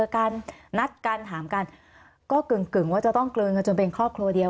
การนัดกันถามกันก็กึ่งว่าจะต้องกลืนกันจนเป็นครอบครัวเดียว